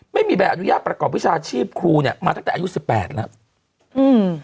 ไม่มีแบบอนุญาตประกอบวิชาชีพครูมาตั้งแต่อายุ๑๘แล้ว